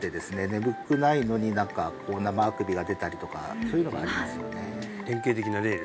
眠くないのに生あくびが出たりとかそういうのがありますよね